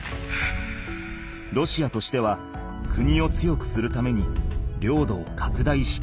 ロシアとしては国を強くするために領土をかくだいしたい。